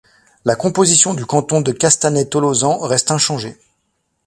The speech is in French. La composition du canton de Castanet-Tolosan reste inchangée.